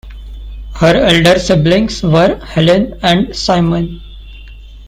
Her elder siblings were Helen and Simon.